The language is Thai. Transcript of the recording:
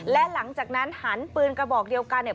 และหลังจากนั้นหันปืนกระบอกเดียวกันเนี่ย